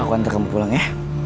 aku antar kamu pulang ya